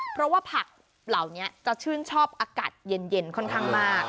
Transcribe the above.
เพราะว่าผักเหล่านี้จะชื่นชอบอากาศเย็นค่อนข้างมาก